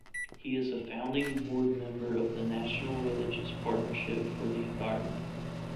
He is a founding board member of the National Religious Partnership for the Environment.